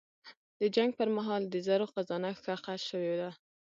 د جنګ پر مهال د زرو خزانه ښخه شوې وه.